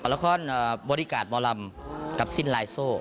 ละครบริการ์ดมรมกับสิ้นไลน์โซ่